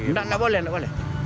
tidak boleh tidak boleh